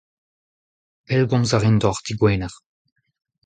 Pellgomz a rin deoc'h digwener.